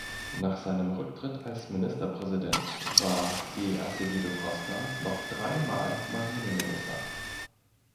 Nach seinem Rücktritt als Ministerpräsident war de Azevedo Costa noch dreimal Marineminister.